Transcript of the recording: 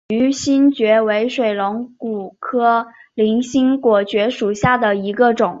披针鳞果星蕨为水龙骨科鳞果星蕨属下的一个种。